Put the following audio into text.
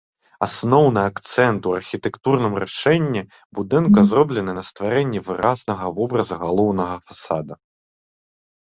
Асноўны акцэнт у архітэктурным рашэнні будынка зроблены на стварэнне выразнага вобраза галоўнага фасада.